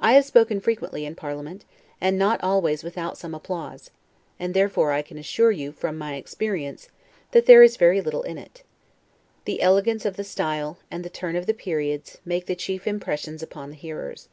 I have spoken frequently in parliament, and not always without some applause; and therefore I can assure you, from my experience, that there is very little in it. The elegance of the style, and the turn of the periods, make the chief impression upon the hearers.